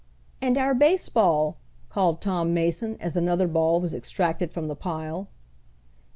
"And our baseball," called Tom Mason, as another ball was extracted from the pile.